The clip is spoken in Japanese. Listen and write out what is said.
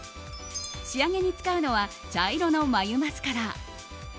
仕上げに使うのは茶色の眉マスカラ。